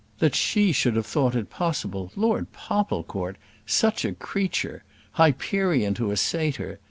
That she should have thought it possible! Lord Popplecourt! Such a creature! Hyperion to a satyr.